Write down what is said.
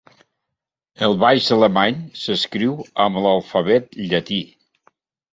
El baix alemany s'escriu amb l'alfabet llatí.